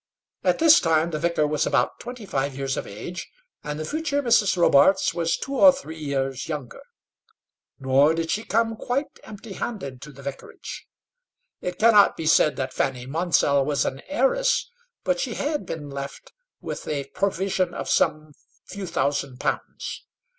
At this time the vicar was about twenty five years of age, and the future Mrs. Robarts was two or three years younger. Nor did she come quite empty handed to the vicarage. It cannot be said that Fanny Monsell was an heiress, but she had been left with a provision of some few thousand pounds.